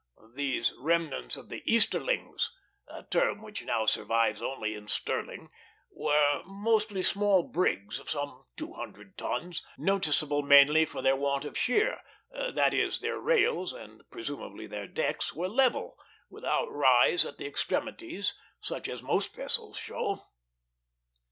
These remnants of the "Easterlings," a term which now survives only in "sterling," were mostly small brigs of some two hundred tons, noticeable mainly for their want of sheer; that is, their rails, and presumably their decks, were level, without rise at the extremities such as most vessels show.